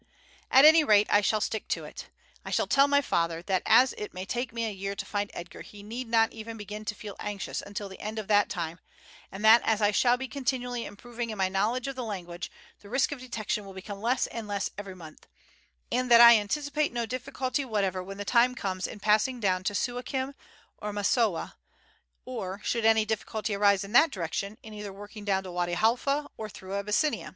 "At any rate I shall stick to it. I shall tell my father, that as it may take me a year to find Edgar he need not even begin to feel anxious until the end of that time, and that as I shall be continually improving in my knowledge of the language, the risk of detection will become less and less every month, and that I anticipate no difficulty whatever when the time comes in passing down to Suakim or Massowah, or should any difficulty arise in that direction, in either working down to Wady Halfa or through Abyssinia."